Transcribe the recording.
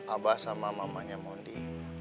abah sama mamanya mandi